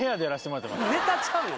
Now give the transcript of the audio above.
ネタちゃうの？